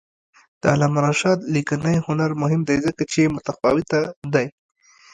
د علامه رشاد لیکنی هنر مهم دی ځکه چې متفاوته دی.